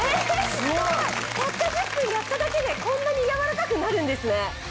たった１０分やっただけでこんなに柔らかくなるんですね。